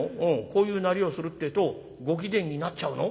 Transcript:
こういうなりをするってえとご貴殿になっちゃうの？